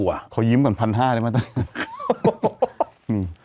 มีค่าขอยิ้มอย่างพันห้าได้ไหม